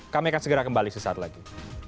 kami akan segera kembali sesaat lagi